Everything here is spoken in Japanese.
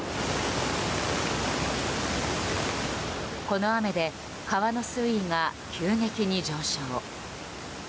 この雨で川の水位が急激に上昇。